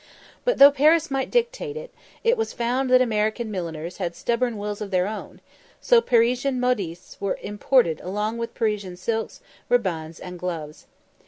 But though Paris might dictate, it was found that American milliners had stubborn wills of their own, so Parisian modistes were imported along with Parisian silks, ribands, and gloves.